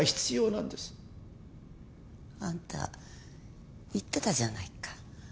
あんた言ってたじゃないか。